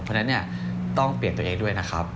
เพราะฉะนั้นต้องเปลี่ยนตัวเองด้วยนะครับ